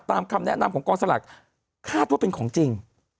คำแนะนำของกองสลากคาดว่าเป็นของจริง